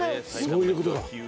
そういうことか。